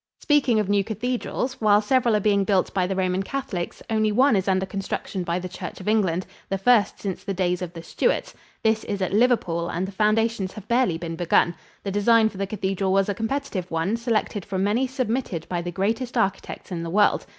Speaking of new cathedrals, while several are being built by the Roman Catholics, only one is under construction by the Church of England the first since the days of the Stuarts. This is at Liverpool and the foundations have barely been begun. The design for the cathedral was a competitive one selected from many submitted by the greatest architects in the world.